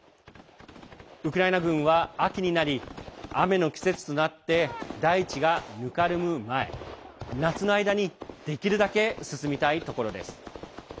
ウクライナ軍は秋になり、雨の季節となって大地がぬかるむ前、夏の間にできるだけ進みたいところです。